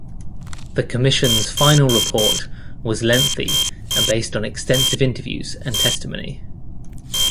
The commission's final report was lengthy and based on extensive interviews and testimony.